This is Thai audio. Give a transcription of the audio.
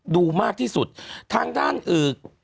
ดูมากที่สุดทางด้านเอ่อ